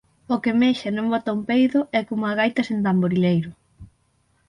O que mexa, e non bota un peido, é como a gaita sen tamborileiro